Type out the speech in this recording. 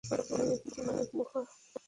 কিছুক্ষণ পর-পর বলছেন, তুমি মহা মুর্থ।